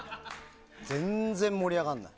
全然、盛り上がらない。